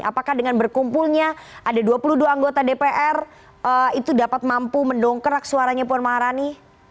apakah dengan berkumpulnya ada dua puluh dua anggota dpr itu dapat mampu mendongkrak suaranya puan maharani